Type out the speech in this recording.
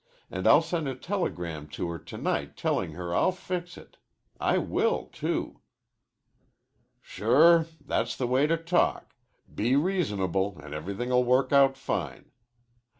And I'll send a telegram to her to night telling her I'll fix it. I will too." "Sure. That's the way to talk. Be reasonable an' everything'll work out fine.